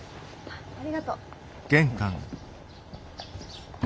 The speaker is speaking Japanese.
ありがとう。